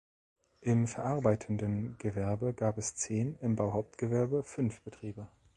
Im verarbeitenden Gewerbe gab es zehn, im Bauhauptgewerbe fünf Betriebe.